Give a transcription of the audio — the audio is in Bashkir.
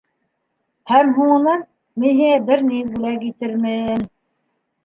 Һәм һуңынан, мин һиңә бер ни бүләк итермен...